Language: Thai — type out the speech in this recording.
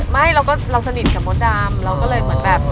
ไม่เราก็เราสนิทกับมดดำเราก็เลยเหมือนแบบ